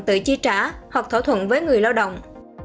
tự chi trả hoặc thỏa thuận với người lao động